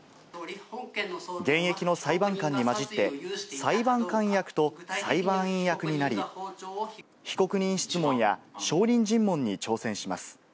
現役の裁判官に混じって、裁判官役と裁判員役になり、被告人質問や証人尋問に挑戦します。